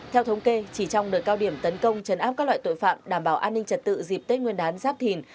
theo thống kê chỉ trong đợt cao điểm tấn công chấn áp các loại tội phạm đảm bảo an ninh trật tự dịp tết nguyên đán giáp thìn